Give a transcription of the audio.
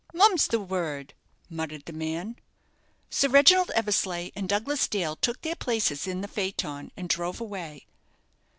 "Mum's the word," muttered the man. Sir Reginald Eversleigh and Douglas Dale took their places in the phaeton, and drove away.